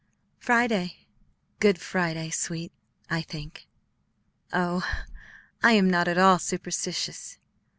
"Friday." "Good Friday, sweet, I think." "Oh, I am not at all superstitious."